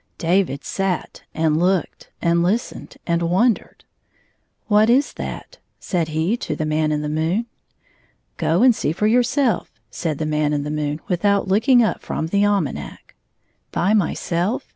David sat and looked, and listened and won dered. " What is that ?" said he to the Man in the moon. " Go and see for yourself," said the Man in the moon, without looking up from the almanac. " By myself?